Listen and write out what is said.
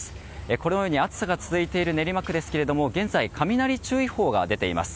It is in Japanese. このように、暑さが続いている練馬区ですけれども現在、雷注意報が出ています。